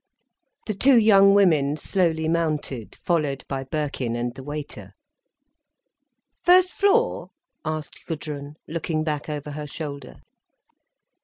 The two young women slowly mounted, followed by Birkin and the waiter. "First floor?" asked Gudrun, looking back over her shoulder.